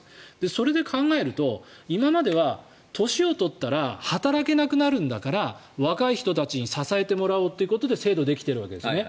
それで考えると今までは、年を取ったら働けなくなるんだから若い人たちに支えてもらおうということで制度ができているわけですね。